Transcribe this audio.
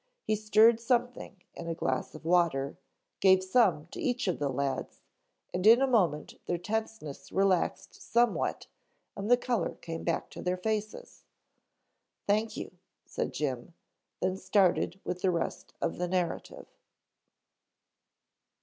He stirred something, in a glass of water, gave some to each of the lads, and in a moment their tenseness relaxed somewhat and the color came back to their faces. "Thank you," said Jim, then started with the rest of the narrative.